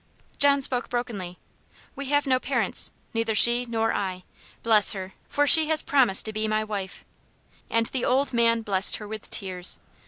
John spoke brokenly, "We have no parents, neither she nor I. Bless her for she has promised to be my wife." And the old man blessed her with tears.